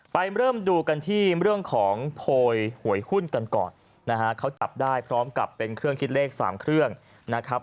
ไปเริ่มดูกันที่เรื่องของโพยหวยหุ้นกันก่อนนะฮะเขาจับได้พร้อมกับเป็นเครื่องคิดเลข๓เครื่องนะครับ